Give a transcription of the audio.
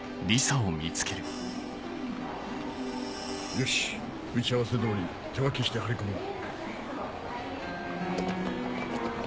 よし打ち合わせ通り手分けして張り込もう。